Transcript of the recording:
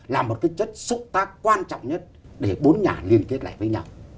những chất xúc tác quan trọng nhất để bốn nhà liên kết lại với nhau